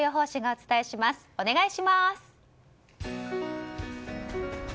お願いします。